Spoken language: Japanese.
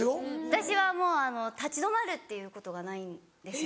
私はもう立ち止まるっていうことがないんですよ。